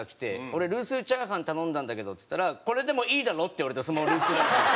「俺ルースチャーハン頼んだんだけど」っつったら「コレデモイイダロ？」って言われてそのままルースラーメン。